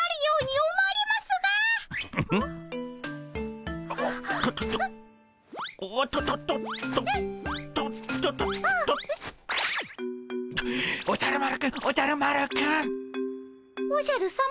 おじゃるさま。